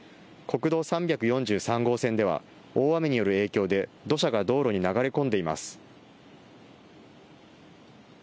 国道３４３号線では大雨による影響で土砂が道路に流れ込んでいます。